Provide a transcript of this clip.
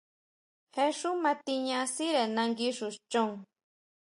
Je xú matiña sʼíre nangui xu chon.